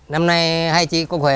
năm nay hai chị có khỏe không